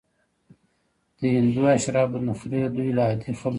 د هندو اشرافو نخرې دوی له عادي خلکو بېلول.